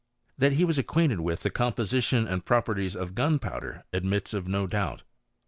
That he was ajcquainted with the composition and properties of gunpowder admits of no doubt.